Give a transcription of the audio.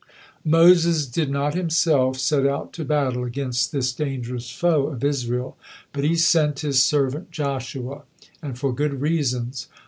Moses did not himself set out to battle against this dangerous foe of Israel, but he sent his servant Joshua, and for good reasons.